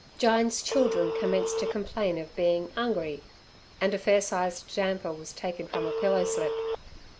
Jyne's children commenced to complain of being "'ungry" and a fair sized damper was taken from a pillow slip.